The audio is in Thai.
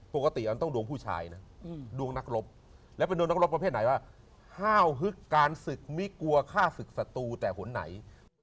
อันต้องดวงผู้ชายนะดวงนักรบและเป็นดวงนักรบประเภทไหนว่าห้าวฮึกการศึกไม่กลัวฆ่าศึกศัตรูแต่หนไหน